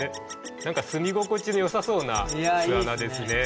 何か住み心地のよさそうな巣穴ですね。